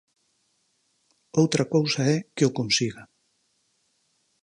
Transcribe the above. Outra cousa é que o consiga.